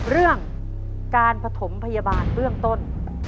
เรื่องการปฐมพยาบาลเบื้องต้น